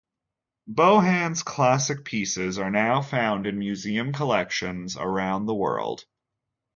Bohan's classic pieces are now found in museum collections around the world.